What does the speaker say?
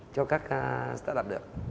cho các startup được